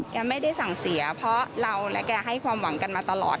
ไม่ได้สั่งเสียเพราะเราและแกให้ความหวังกันมาตลอด